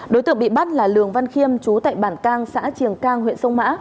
đối tượng bị bắt là lường văn khiêm chú tại bản cang xã triềng cang huyện sông mã